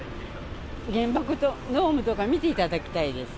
原爆ドームとか見ていただきたいです。